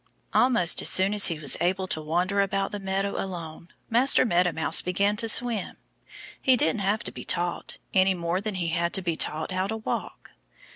Almost as soon as he was able to wander about the meadow alone Master Meadow Mouse began to swim. He didn't have to be taught, any more than he had to be taught how to walk.